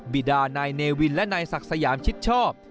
ิดานายเนวินและนายศักดิ์สยามชิดชอบ